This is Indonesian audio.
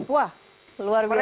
wah luar biasa